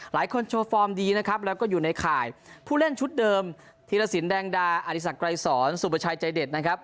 โชว์ฟอร์มดีนะครับแล้วก็อยู่ในข่ายผู้เล่นชุดเดิมธีรสินแดงดาอธิสักไกรสอนสุประชัยใจเด็ดนะครับ